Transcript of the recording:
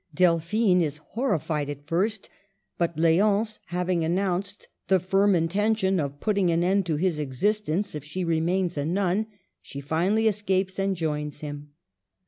Delphine is horrified at first, but L6once having announced the firm intention of putting an end to his existence if she remains a nun, she finally escapes and joins him.